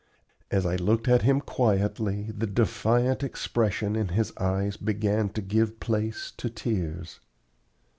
As I looked at him quietly the defiant expression in his eyes began to give place to tears.